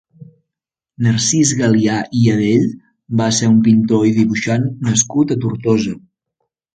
Narcís Galià i Adell va ser un pintor i dibuixant nascut a Tortosa.